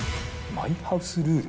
マイハウスルール。